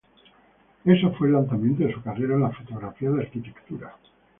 Eso fue el lanzamiento de su carrera en la fotografía de arquitectura.